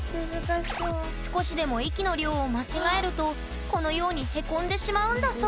少しでも息の量を間違えるとこのようにへこんでしまうんだそう。